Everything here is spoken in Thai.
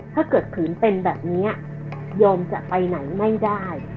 ถ้าเกิดผืนเป็นแบบนี้โยมจะไปไหนไม่ได้